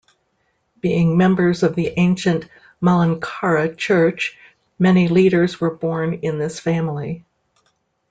Being members of the ancient Malankara Church, many leaders were born in this family.